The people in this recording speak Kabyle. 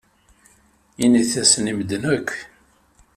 Init-asen i medden akk.